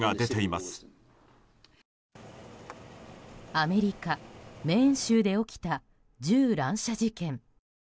アメリカ・メーン州で起きた銃乱射事件。